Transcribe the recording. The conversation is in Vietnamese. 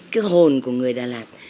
cái hồn của người đà lạt